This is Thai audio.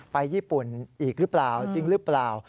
ไปญี่ปุ่นอีกจริงรึเปล่า